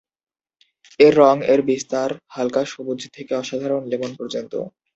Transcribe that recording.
এর রং-এর বিস্তার হালকা সবুজ থেকে অসাধারণ লেমন পর্যন্ত।